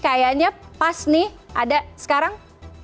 kayaknya pas nih ada sekarang